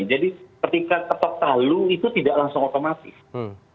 jadi ketika tetap palu itu tidak langsung otomatis